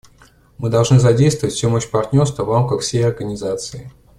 Мы должны задействовать всю мощь партнерства в рамках всей Организации.